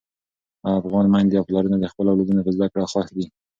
افغان میندې او پلرونه د خپلو اولادونو په زده کړو خوښ دي.